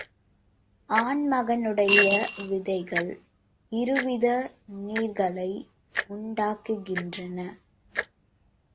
ஆண்மகனுடைய விதைகள் இருவித நீர்களை உண்டாக்குகின்றன.